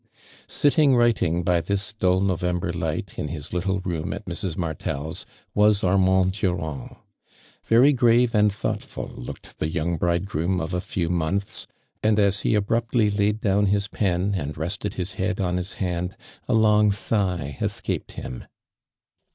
Sitting writing by this dull November ght, in his little room at Mrs. Martel's, was Armand Durand. Very grave and thought ful looked the young bridegioom of a few months, ami as ho abruptly laid down his pen and rested his hea«l on his hand, a long sigh escaped him.